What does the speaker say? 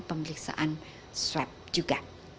pemeriksaan swab juga